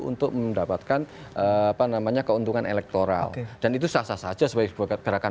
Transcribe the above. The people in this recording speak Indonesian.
untuk mendapatkan apa namanya keuntungan elektoral dan itu sah sah saja sebagai sebuah gerakan